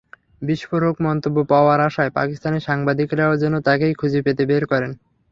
বিস্ফোরক মন্তব্য পাওয়ার আশায় পাকিস্তানি সাংবাদিকেরাও যেন তাঁকেই খুঁজে পেতে বের করেন।